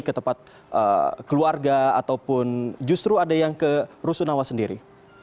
ketepat keluarga ataupun justru ada yang ke rusunawa sendiri